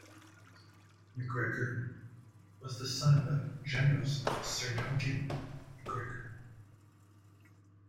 MacGregor was the son of General Sir Duncan MacGregor.